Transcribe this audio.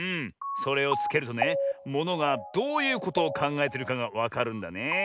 それをつけるとねものがどういうことをかんがえてるかがわかるんだねえ。